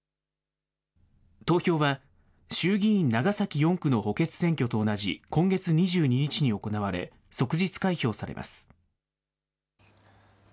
投票は、衆議院長崎４区の補欠選挙と同じ今月２２日に行われ、即日開票されます。